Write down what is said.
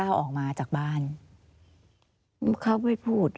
อันดับ๖๓๕จัดใช้วิจิตร